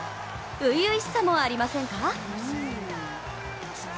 初々しさもありませんか？